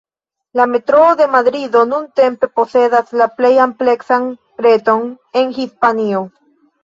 La Metroo de Madrido nuntempe posedas la plej ampleksan reton en Hispanio.